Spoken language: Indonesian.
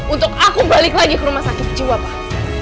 untuk aku balik lagi ke rumah sakit jiwa pak